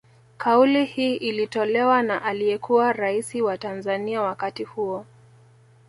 Kauli hii ilitolewa na aliyekuwa raisi wa Tanzania wakati huo